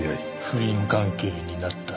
不倫関係になった。